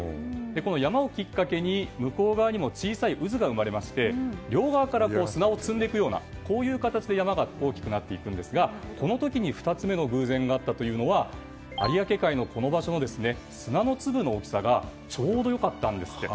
この山をきっかけに向こう側にも小さい渦が生まれまして両側から砂を積んでいくような形で山が大きくなっていくんですがこの時に２つ目の偶然があったというのが有明海のこの場所の砂の粒の大きさがちょうど良かったんですって。